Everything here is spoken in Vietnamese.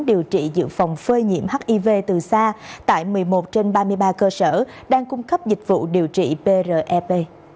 điều trị dự phòng phơi nhiễm hiv từ xa tại một mươi một trên ba mươi ba cơ sở đang cung cấp dịch vụ điều trị prep